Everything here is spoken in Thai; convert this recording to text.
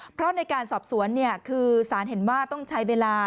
เพราะในการสอบสวนคือสารเห็นว่าต้องใช้เวลา